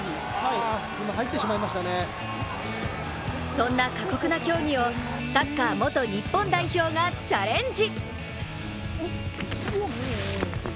そんな過酷な競技をサッカー元日本代表がチャレンジ！